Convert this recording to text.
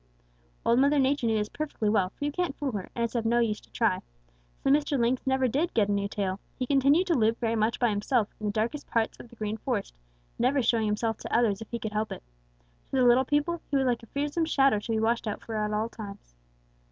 "Old Mother Nature knew this perfectly well, for you can't fool her, and it's of no use to try. So Mr. Lynx never did get a new tail. He continued to live very much by himself in the darkest parts of the Green Forest, never showing himself to others if he could help it. To the little people, he was like a fearsome shadow to be watched out for at all times.